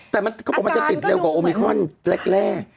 แต่เขาบอกมันจะติดเร็วกว่าโอมิคอนแรก